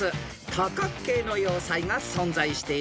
多角形の要塞が存在しているんです］